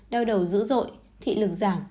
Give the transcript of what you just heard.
đau đầu dữ dội thị lực giảm